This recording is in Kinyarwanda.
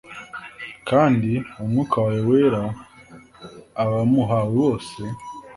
kandiumwuka wawe wera, abamuhawe bose,